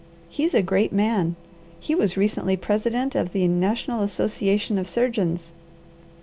He's a great man. He was recently President of the National Association of Surgeons.